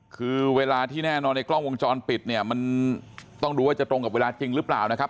คือเวลาที่แน่นอนในกล้องวงจรปิดเนี่ยมันต้องดูว่าจะตรงกับเวลาจริงหรือเปล่านะครับ